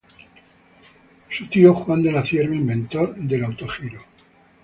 Su tío fue Juan de la Cierva, inventor del autogiro.